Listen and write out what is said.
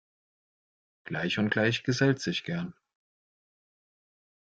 Gleich und Gleich gesellt sich gern.